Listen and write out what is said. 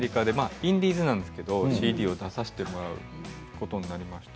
インディーズなんですけれどもＣＤを出させていただくことになって。